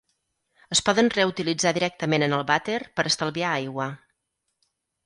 Es poden reutilitzar directament en el vàter, per estalviar aigua.